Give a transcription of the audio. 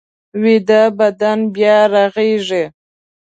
ویده بدن بیا رغېږي